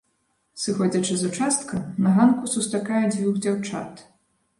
Сыходзячы з участка на ганку сустракаю дзвюх дзяўчат.